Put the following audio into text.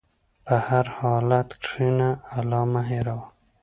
په هر حالت کښېنه، الله مه هېروه.